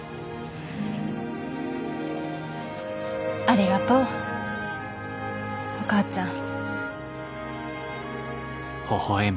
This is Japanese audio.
ありがとうお母ちゃん。